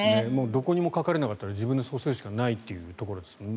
どこにもかかれなかったら自分でそうするしかないということですね。